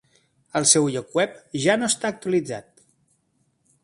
El seu lloc web ja no està actualitzat.